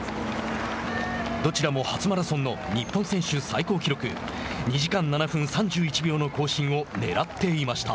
どちらも初マラソンの日本選手最高記録２時間７分３１秒の更新をねらっていました。